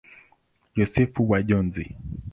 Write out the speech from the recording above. Yosefu wa Njozi.